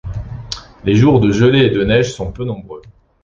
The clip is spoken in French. Les jours de gelée et de neige sont peu nombreux.